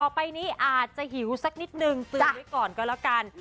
ไปนี้อาจจะหิวสักนิดนึงเตือนไว้ก่อนก็แล้วกัน